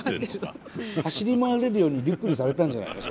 走り回れるようにリュックにされたんじゃないの？